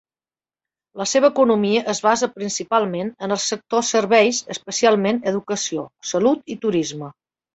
La seva economia es basa principalment en el sector serveis, especialment educació, salut i turisme.